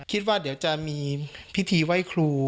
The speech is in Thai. คิดว่าเดี๋ยวจะมีพิธีไหว้ครู